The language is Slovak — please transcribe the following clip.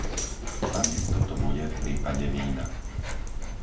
Takisto to bude v prípade vína.